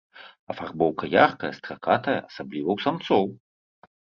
Афарбоўка яркая, стракатая, асабліва у самцоў.